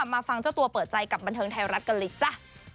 มาฟังเจ้าตัวเปิดใจกับบันเทิงไทยรัฐกันเลยจ้ะ